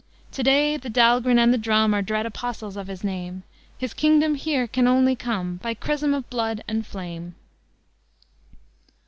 "To day the Dahlgren and the drum Are dread apostles of his name; His kingdom here can only come By chrism of blood and flame."